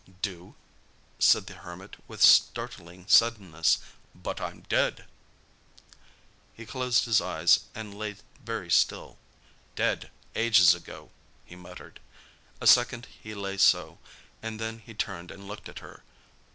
"Do?" said the Hermit with startling suddenness. "But I'm dead!" He closed his eyes and lay very still. "Dead—ages ago!" He muttered. A second he lay so, and then he turned and looked at her.